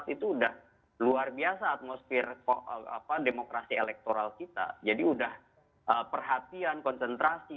dua ribu dua puluh empat itu udah luar biasa atmosfer demokrasi elektoral kita jadi udah perhatian konsentrasi